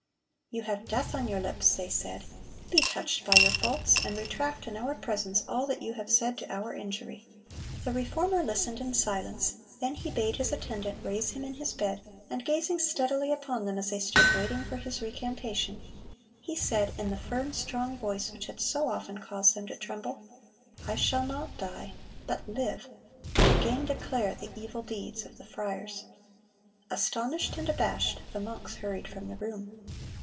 "You have death on your lips," they said; "be touched by your faults, and retract in our presence all that you have said to our injury." The Reformer listened in silence; then he bade his attendant raise him in his bed, and gazing steadily upon them as they stood waiting for his recantation, he said, in the firm, strong voice which had so often caused them to tremble, "I shall not die, but live, and again declare the evil deeds of the friars."(119) Astonished and abashed, the monks hurried from the room.